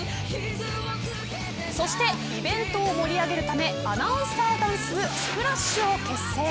そしてイベントを盛り上げるためアナウンサーダンス部ＳＰＬＡＳＨ！を結成。